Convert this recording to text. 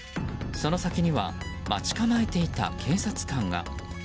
その先には待ち構えていた警察官が。